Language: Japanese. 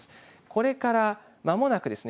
これから、まもなくですね